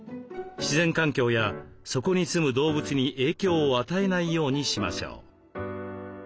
自然環境やそこに住む動物に影響を与えないようにしましょう。